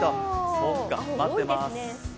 そっか、待ってます。